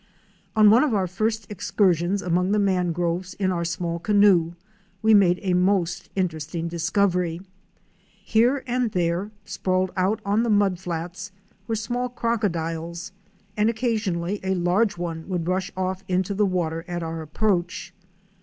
On one of our first excursions among the mangroves in our small canoe we made a most interesting discovery. Here and there, sprawled out on the mud flats, were small croc odiles, and occasionally a large one would rush off into the water at our approach.